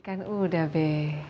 kan udah be